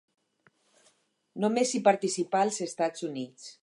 Només hi participà els Estats Units.